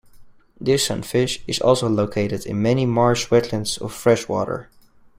This sunfish is also located in many marsh wetlands of freshwater.